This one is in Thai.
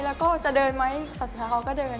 แล้วก็จะเดินไหมศาสนาเขาก็เดิน